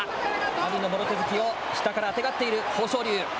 阿炎のもろ手突きを下からあてがっている豊昇龍。